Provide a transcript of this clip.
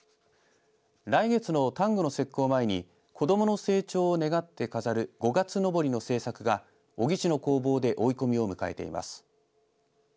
来月の端午の節句を前に子どもの成長を願って飾る五月のぼりの制作が小城市の工房で追い込みを迎えています。